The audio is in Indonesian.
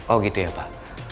oh gitu ya pak